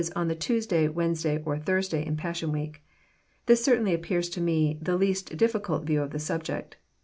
on the Tuesday, Wednesday, or Thursday, in Passion Week. This certainly ap pears to me the least difficult view of the subject.